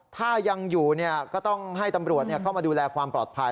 ถ้ายังอยู่ก็ต้องให้ตำรวจเข้ามาดูแลความปลอดภัย